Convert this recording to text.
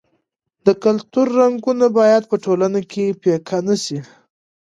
د کلتور رنګونه باید په ټولنه کې پیکه نه سي.